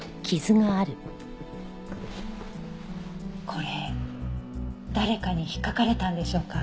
これ誰かに引っかかれたんでしょうか？